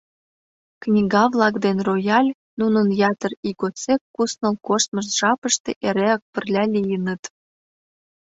Книга-влак ден рояль нунын ятыр ий годсек кусныл коштмышт жапыште эреак пырля лийыныт.